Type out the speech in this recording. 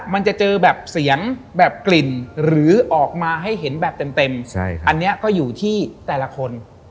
มันจะเจอแบบเสียงแบบกลิ่นหรือออกมาให้เห็นแบบเต็มอันนี้ก็อยู่ที่แต่ละคน